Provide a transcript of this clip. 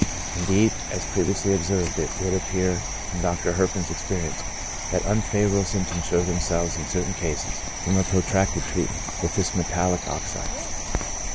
Indeed, as pre viously observed, it would appear, from Dr. Herpin's ex perience, that unfavorable symptoms show themselves in certain cases, from a protracted treatment with this metal lic oxide.